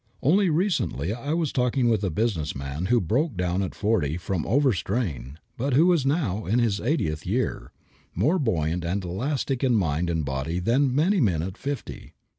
Only recently I was talking with a business man who broke down at forty from over strain but who is now, in his eightieth year, more buoyant and elastic in mind and body than many men at fifty.